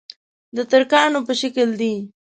د ترکانو په شکل دي.